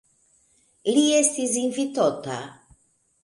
Li estis invitota.